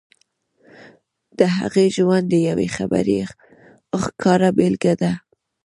د هغې ژوند د يوې خبرې ښکاره بېلګه ده.